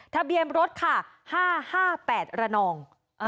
ทะเบียนรถค่ะ๕๕๘ระนอง